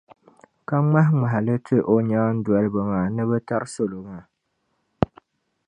ka ŋmahiŋmahi li ti o nyaandoliba maa ni bɛ tari salo maa.